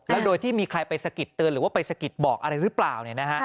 แล้วโดยที่มีใครไปสะกิดเตือนหรือว่าไปสะกิดบอกอะไรหรือเปล่า